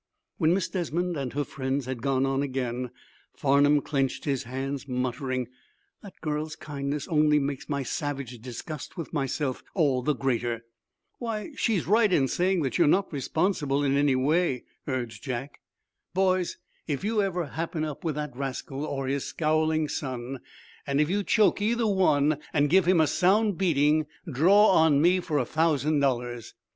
When Miss Desmond and her friends had gone on again Farnum clenched his hands, muttering: "The girl's kindness only makes my savage disgust with myself all the greater." "Why, she's right in saying that you're not responsible in any way," urged Jack. "Boys, if you ever happen up with that rascal, or his scowling son, and if you choke either one, and give him a sound beating, draw on me for a thousand dollars.